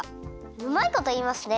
うまいこといいますね！